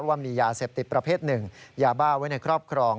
ว่ามียาเสพติดประเภทหนึ่งยาบ้าไว้ในครอบครอง